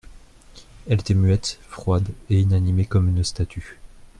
Elle était muette, froide et inanimée comme une statue.